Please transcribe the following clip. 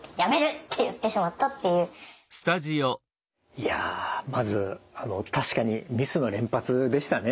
いやまず確かにミスの連発でしたね。